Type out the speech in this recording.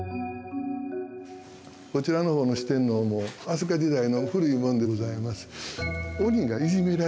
こちらの方の四天王も飛鳥時代の古いもんでございます。